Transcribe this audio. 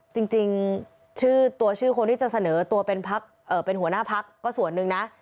จริงชื่อตัวชื่อคนที่จะเสนอตัวเป็นหัวหน้าพักก็ส่วนหนึ่งนะ